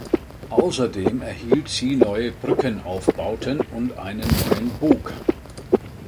Außerdem erhielt sie neue Brückenaufbauten und einen neuen Bug.